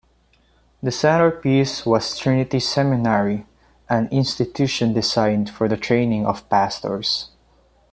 The center-piece was Trinity Seminary, an institution designed for the training of pastors.